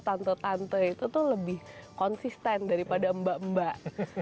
tante tante itu tuh lebih konsisten daripada mbak mbak